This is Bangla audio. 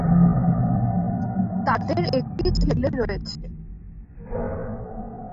তাদের একটি ছেলে রয়েছে।